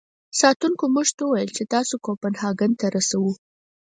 ساتونکو موږ ته و ویل چې تاسو کوپنهاګن ته رسوو.